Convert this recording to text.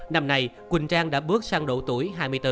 năm nay quỳnh trang đã bước sang độ tuổi hai mươi bốn